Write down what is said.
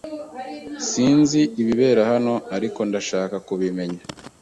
Sinzi ibibera hano, ariko ndashaka kubimenya.